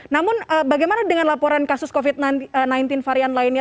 namun bagaimana dengan laporan kasus covid sembilan belas varian lainnya